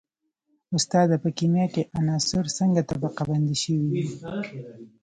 استاده په کیمیا کې عناصر څنګه طبقه بندي شوي دي